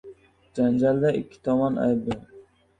• Janjalda ikki tomon aybdor.